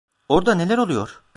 Orada neler oluyor?